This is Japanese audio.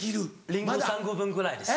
リンゴ３個分ぐらいです。